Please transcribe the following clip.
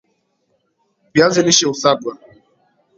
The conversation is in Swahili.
viazi lishe husagwa